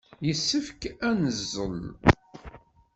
Yessefk ad neẓẓel.